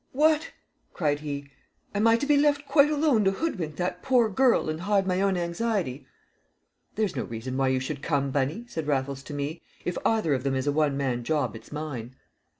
"What!" cried he, "am I to be left quite alone to hoodwink that poor girl and hide my own anxiety?" "There's no reason why you should come, Bunny," said Raffles to me. "If either of them is a one man job, it's mine."